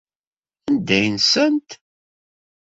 Anda ay nsant?